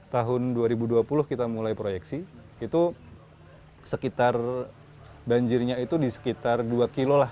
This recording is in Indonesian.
tahun dua ribu dua puluh kita mulai proyeksi itu sekitar banjirnya itu di sekitar dua kilo lah